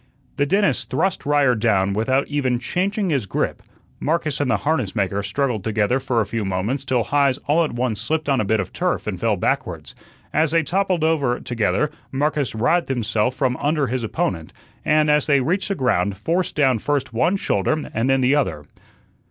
The dentist thrust Ryer down without even changing his grip; Marcus and the harness maker struggled together for a few moments till Heise all at once slipped on a bit of turf and fell backwards. As they toppled over together, Marcus writhed himself from under his opponent, and, as they reached the ground, forced down first one shoulder and then the other.